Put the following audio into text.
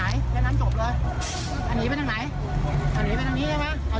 หนีไปทางนู้นพัทรหลุงได้ไหมครับอ่าโอเคน่ะจบแล้ว